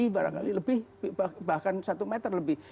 barangkali lebih bahkan satu meter lebih